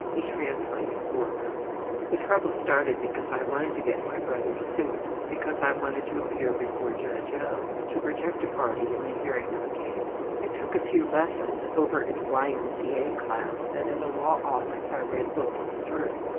He translated for her. ``The trouble started because I wanted to get my brother's suit because I wanted to appear before Judge O. to protect a party in the hearing of a case. I took a few lessons over in the Y.M.C.A. class and in a law office I read books through.